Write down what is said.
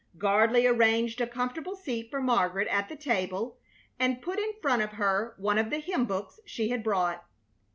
Gardley arranged a comfortable seat for Margaret at the table and put in front of her one of the hymn books she had brought.